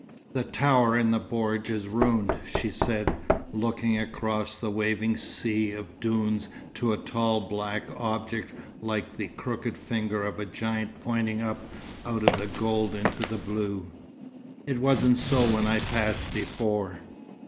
"The tower in the bordj is ruined," she said, looking across the waving sea of dunes to a tall black object like the crooked finger of a giant pointing up out of the gold into the blue. "It wasn't so when I passed before."